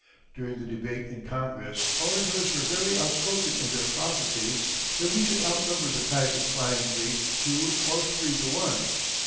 During the debate in Congress orators were very outspoken in their prophecies that we should outnumber the Kaiser's flying fleet two or three to one.